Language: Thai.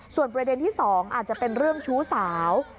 ส่วนประเด็นที่๒อาจจะเป็นเรื่องชู้สาว